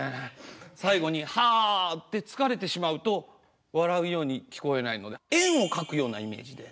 最後に「はー」って疲れてしまうと笑うように聞こえないので円を描くようなイメージで。